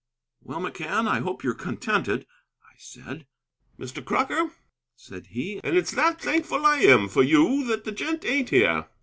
"Well, McCann, I hope you're contented," I said. "Mr. Crocker," said he, "and it's that thankful I am for you that the gent ain't here.